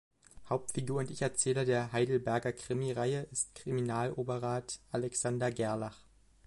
Hauptfigur und Ich-Erzähler der Heidelberger Krimireihe ist Kriminaloberrat Alexander Gerlach.